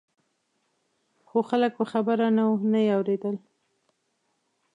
خو خلک په خبره نه وو نه یې اورېدل.